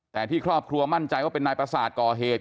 แต่ที่ครอบครัวมั่นใจว่าเป็นนายประสาทก่อเหตุ